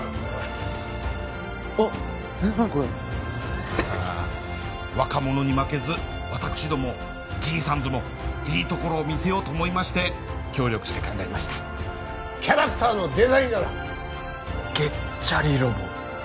何これ若者に負けず私ども爺さんズもいいところを見せようと思いまして協力して考えましたキャラクターのデザイン画だ「ゲッチャリロボ」